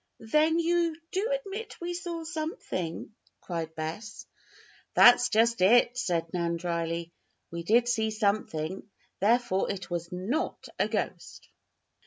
"Then you do admit we saw something?" cried Bess. "That's just it," said Nan drily. "We did see something. Therefore it was not a ghost."